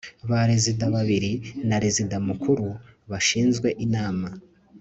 ba rezida babiri na rezida mukuru bashinzwe inama